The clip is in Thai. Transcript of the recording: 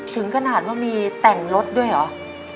ถึงขนาดว่ามีแต่งรถด้วยเหรอ